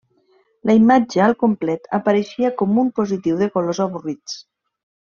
La imatge al complet apareixia com un positiu de colors avorrits.